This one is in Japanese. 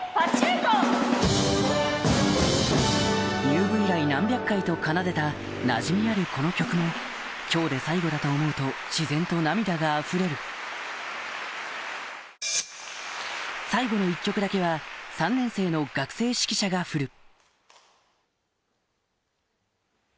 入部以来何百回と奏でたなじみあるこの曲も今日で最後だと思うと自然と涙があふれる最後の１曲だけは３年生の学生指揮者が振る